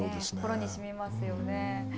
心にしみますよね。